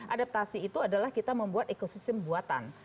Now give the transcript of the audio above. adaptasi itu adalah kita membuat ekosistem buatan